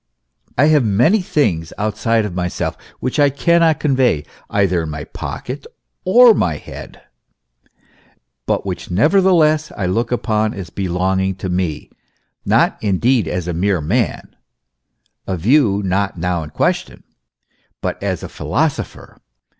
I have many things outside my self, which I cannot convey either in my pocket or my head, but which nevertheless I look upon as belonging to me, not indeed as a mere man a view not now in question but as a philosopher.